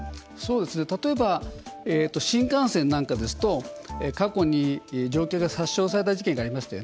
例えば新幹線なんかですと過去に乗客が殺傷された事件がありました。